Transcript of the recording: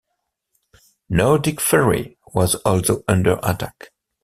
"Nordic Ferry" was also under attack.